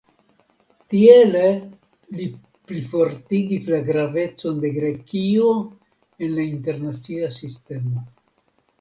Tiele li plifortigis la gravecon de Grekio en la internacia sistemo.